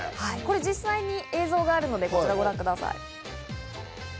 実際に映像があるので、こちらをご覧ください。